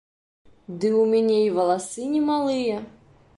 Ды ў мяне і валасы не малыя.